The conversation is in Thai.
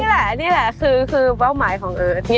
นี่แหละนี่แหละคือเป้าหมายของเอิร์ท